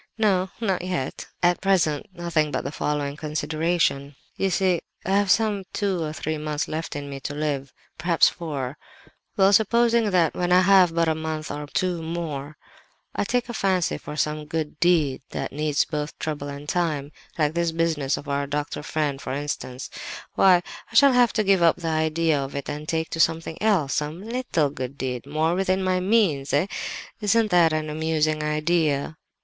"'No, not yet. At present nothing but the following consideration. You see I have some two or three months left me to live—perhaps four; well, supposing that when I have but a month or two more, I take a fancy for some "good deed" that needs both trouble and time, like this business of our doctor friend, for instance: why, I shall have to give up the idea of it and take to something else—some little good deed, more within my means, eh? Isn't that an amusing idea!